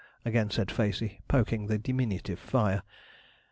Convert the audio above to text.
again said Facey, poking the diminutive fire.